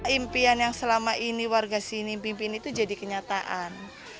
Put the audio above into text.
impian yang selama ini warga sini pimpin itu jadi kenyataan